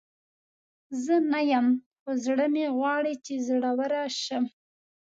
زه نه یم، خو زړه مې غواړي چې زړوره شم.